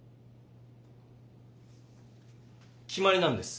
決まりなんです。